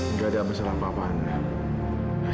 nggak ada masalah apa apa ana